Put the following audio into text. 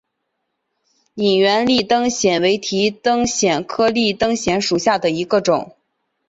隐缘立灯藓为提灯藓科立灯藓属下的一个种。